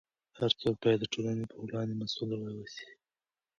هر څوک باید د ټولنې په وړاندې مسؤل واوسي.